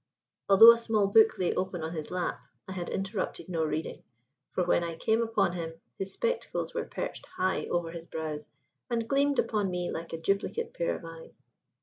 Although a small book lay open on his lap, I had interrupted no reading; for when I came upon him his spectacles were perched high over his brows and gleamed upon me like a duplicate pair of eyes.